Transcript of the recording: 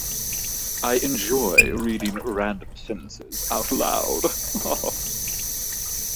I enjoy reading random sentences out loud.